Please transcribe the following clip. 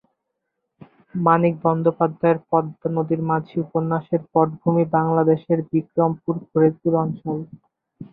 মানিক বন্দ্যোপাধ্যায়ের পদ্মা নদীর মাঝি উপন্যাসের পটভূমি বাংলাদেশের বিক্রমপুর-ফরিদপুর অঞ্চল।